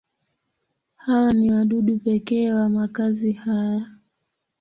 Hawa ni wadudu pekee wa makazi haya.